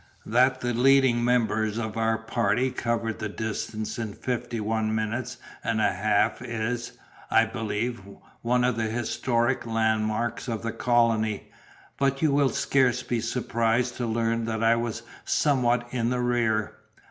That the leading members of our party covered the distance in fifty one minutes and a half is (I believe) one of the historic landmarks of the colony; but you will scarce be surprised to learn that I was somewhat in the rear.